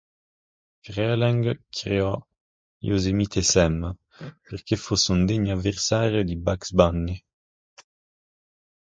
Freleng creò Yosemite Sam perché fosse un degno avversario di Bugs Bunny.